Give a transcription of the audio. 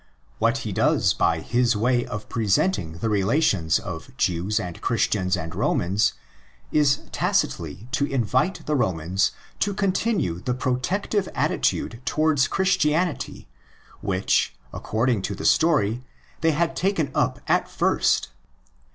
What he does by his way of presenting the relations of Jews and Christians and Romans is tacitly to invite the Romans to continue the THE ORIGIN OF ACTS» 92 protective attitude towards Christianity which, accord ing to the story, they had taken up at first.